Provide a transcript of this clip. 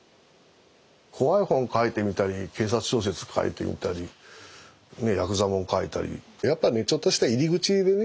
怖い本書いてみたり警察小説書いてみたりヤクザもん書いたりやっぱねちょっとした入り口でね